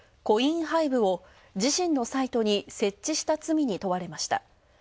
コインハイブを、自身のサイトに設置した罪に問われました。